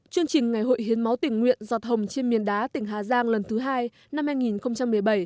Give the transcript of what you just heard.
chương trình ngày hội hiến máu tỉnh nguyện giọt hồng trên miền đá tỉnh hà giang lần thứ hai năm hai nghìn một mươi bảy